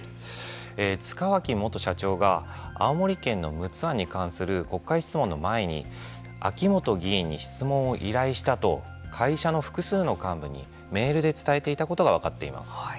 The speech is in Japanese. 塚脇元社長が青森県の陸奥湾に関する国会質問の前に秋本議員に質問を依頼したと会社の複数の幹部にメールで伝えていたことが分かっています。